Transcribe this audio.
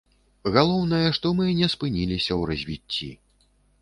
Галоўнае, што мы не спыніліся ў развіцці.